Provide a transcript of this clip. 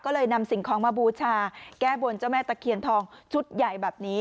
ก็เลยนำสิ่งของมาบูชาแก้บนเจ้าแม่ตะเคียนทองชุดใหญ่แบบนี้